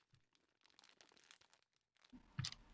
Oshxonada barcha oila a`zolari jamlandi